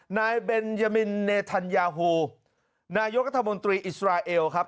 นายเบนยามินเนธัญญาฮูนายกรัฐมนตรีอิสราเอลครับ